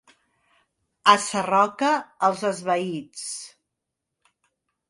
A Sarroca, els esvaïts.